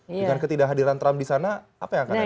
dengan ketidakhadiran trump di sana apa yang akan ada